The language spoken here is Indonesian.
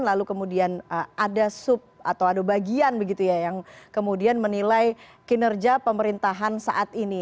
lalu kemudian ada sub atau ada bagian yang menilai kinerja pemerintahan saat ini